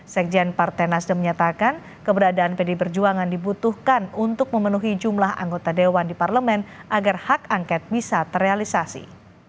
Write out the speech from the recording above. sekjen partai nasdem menyatakan keberadaan pd perjuangan dibutuhkan untuk memenuhi jumlah anggota dewan di parlemen agar hak angket bisa terrealisasi